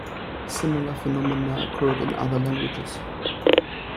Similar phenomena occurred in other languages.